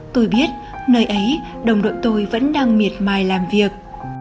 tôi biết nơi ấy đồng đội tôi vẫn đang miệt mài làm việc